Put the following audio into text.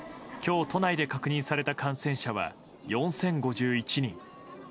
今日都内で確認された感染者は４０５１人。